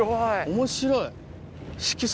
面白い。